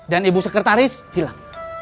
dan ibu sekretaris hilang